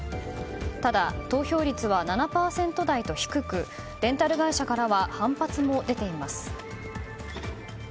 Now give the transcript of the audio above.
ただ、投票率は７％台と低くレンタル会社からは反発も出ています。